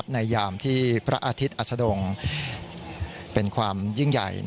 ในยามที่พระอาทิตย์อาสดง